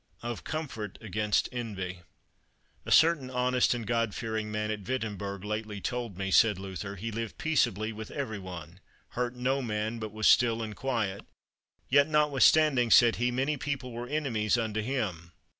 Of Comfort against Envy. A certain honest and God fearing man at Wittemberg lately told me, said Luther, he lived peaceably with every one, hurt no man, but was still and quiet; yet notwithstanding, said he, many people were enemies unto him.